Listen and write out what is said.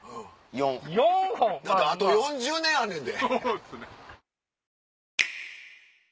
４本⁉あと４０年あんねんで。